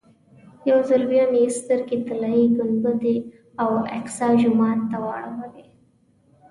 یو ځل بیا مې سترګې طلایي ګنبدې او اقصی جومات ته واړولې.